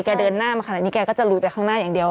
เดินหน้ามาขนาดนี้แกก็จะลุยไปข้างหน้าอย่างเดียว